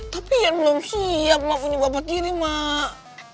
tapi yang belum siap punya bapak tiri mak